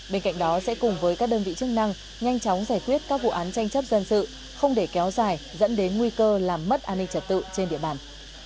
bên cạnh đó sẽ cùng với các đơn vị chức năng nhanh chóng giải quyết các vụ án tranh chấp dân sự không để kéo dài dẫn đến nguy cơ làm mất an ninh trật tự trên địa bàn